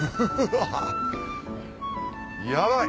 ヤバい！